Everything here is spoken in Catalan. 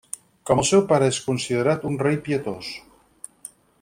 Com el seu pare és considerat un rei pietós.